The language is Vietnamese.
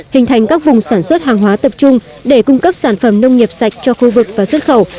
hình thành các vùng sản xuất hàng hóa tập trung để cung cấp sản phẩm nông nghiệp sạch cho khu vực và xuất khẩu